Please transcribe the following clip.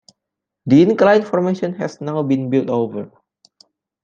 The incline formation has now been built over.